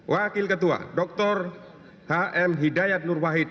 wakil ketua dr h m hidayat nurwahid